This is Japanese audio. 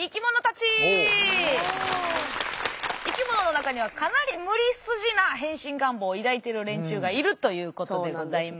生きものの中にはかなり無理筋な変身願望を抱いてる連中がいるということでございます。